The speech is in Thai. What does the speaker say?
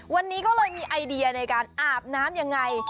วันนี้ก็เลยมีไอเดียในการอาบน้ำยังไง